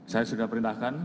saya sudah perintahkan